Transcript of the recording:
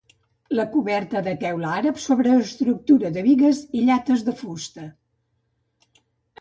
La coberta de teula àrab sobre estructura de bigues i llates de fusta.